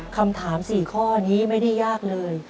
คำถาม๔ข้อนี้ไม่ได้ยากเลย